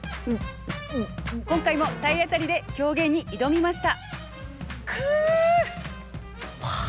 今回も体当たりで狂言に挑みました。